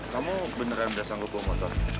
kamu beneran udah sanggup gue motor